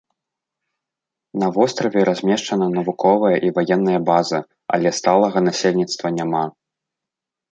На востраве размешчана навуковая і ваенная база, але сталага насельніцтва няма.